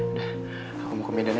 udah aku mau ke medan ya